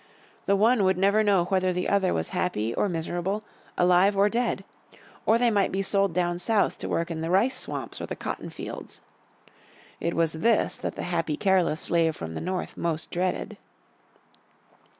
The one would never know whether the other was happy or miserable, alive or dead. Or they might be sold down South to work in the rice swamps or the cotton fields. It was this that the happy, careless slave from the North most dreaded.